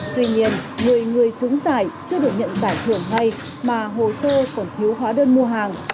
tuy nhiên người người chúng giải chưa được nhận giải thưởng ngay mà hồ sơ còn thiếu hóa đơn mua hàng